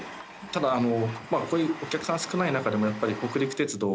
ただ、こういうお客さん少ない中でもやっぱり北陸鉄道